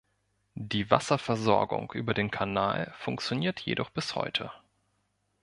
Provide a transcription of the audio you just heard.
Die Wasserversorgung über den Kanal funktioniert jedoch bis heute.